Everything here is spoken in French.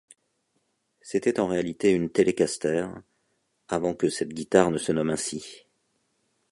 C'était en réalité une Telecaster, avant que cette guitare ne se nomme ainsi.